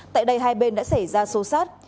tại đây hai bên đã xảy ra xô xát